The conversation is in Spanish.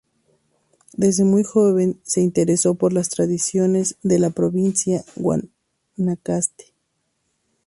Desde muy joven se interesó por las tradiciones de su provincia Guanacaste.